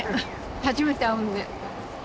初めて会うんで。